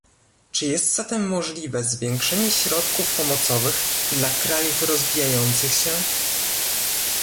Czy jest zatem możliwe zwiększenie środków pomocowych dla krajów rozwijających się?